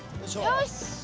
よし。